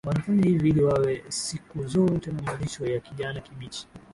Wanafanya hivi ili wawe siku zote na malisho ya kijani kibichi